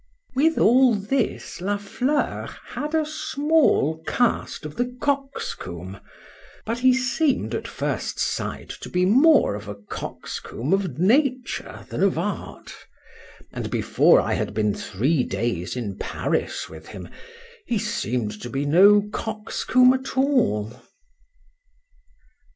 With all this, La Fleur had a small cast of the coxcomb,—but he seemed at first sight to be more a coxcomb of nature than of art; and, before I had been three days in Paris with him,—he seemed to be no coxcomb at all.